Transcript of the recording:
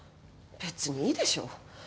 別にいいでしょ。